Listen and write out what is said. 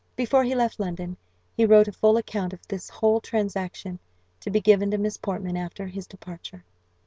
Before he left London he wrote a full account of this whole transaction, to be given to Miss Portman after his departure.